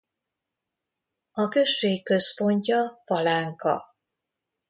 A község központja Palánka.